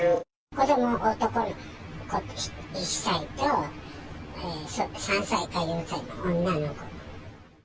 子どもは男の子１歳と、３歳か４歳の女の子。